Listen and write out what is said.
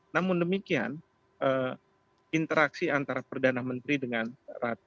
namun demikian interaksi antara perdana menteri dengan ratu